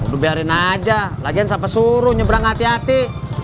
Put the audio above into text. lu biarin aja lagian siapa suruh nyebrang hati hati